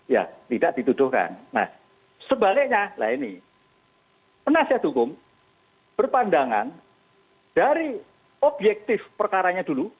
ya tidak dituduhkan nah sebaliknya lah ini penasihat hukum berpandangan dari objektif perkaranya dulu